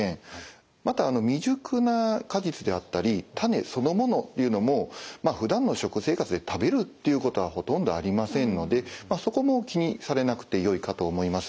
また未熟な果実であったり種そのものというのもふだんの食生活で食べるっていうことはほとんどありませんのでそこも気にされなくてよいかと思います。